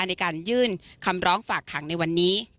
ในการยื่นคำร้องฝากขังในวันนี้